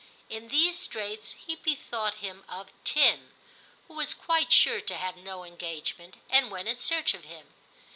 In these straits he bethought him of Tim, who was quite sure to have no engagement, and went in search of him.